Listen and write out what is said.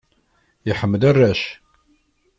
Iḥemmel arrac.